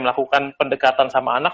melakukan pendekatan sama anak